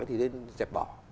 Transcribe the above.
thì nên dẹp bỏ